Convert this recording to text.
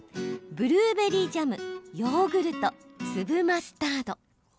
ブルーベリージャムヨーグルト、粒マスタード。